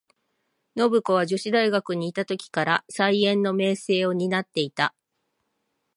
信子は女子大学にゐた時から、才媛の名声を担ってゐた。